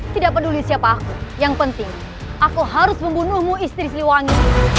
tidak peduli siapa aku yang penting aku harus membunuhmu istri siliwangi